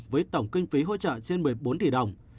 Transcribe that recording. với tổng kinh phí hỗ trợ trên một mươi bốn tỷ đồng